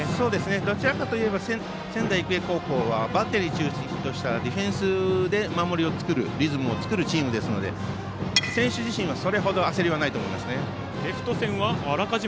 どちらかといえば仙台育英高校はバッテリーを中心としたディフェンスで守りのリズムを作るチームですから選手自身はそれほど焦りはないと思います。